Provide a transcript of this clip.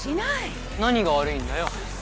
何が悪いんだよ。